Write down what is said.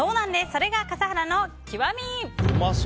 それが笠原の極み。